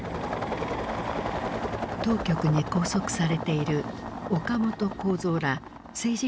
当局に拘束されている岡本公三ら政治犯の釈放を要求。